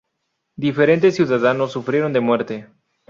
Diferentes ciudadanos sufrieron de muerte.